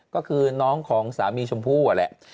ก็คือน้องของสามีชมพู่อะแหละ